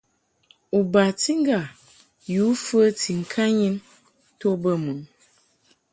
U bati ŋgâ yǔ fəti ŋkanyin to bə mɨ?